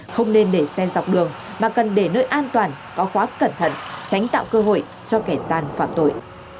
không nên để xen dọc đường mà cần để nơi an toàn có khóa cẩn thận tránh tạo cơ hội cho kẻ gian phạm tội